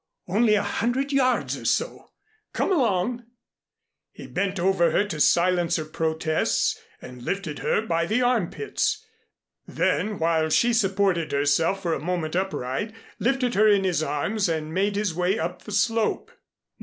Only a hundred yards or so. Come along." He bent over to silence her protests and lifted her by the armpits. Then while she supported herself for a moment upright, lifted her in his arms and made his way up the slope.